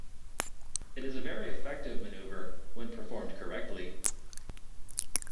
It is a very effective maneuver when performed correctly.